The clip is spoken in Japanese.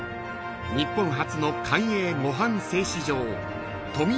［日本初の官営模範製糸場］